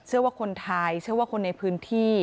เชื่อว่าคนไทยเชื่อว่าคนในพื้นที่